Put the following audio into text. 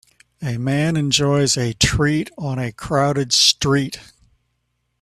A man enjoys a treat on a crowded street.